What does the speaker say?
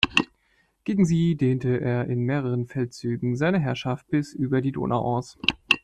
Gegen sie dehnte er in mehreren Feldzügen seine Herrschaft bis über die Donau aus.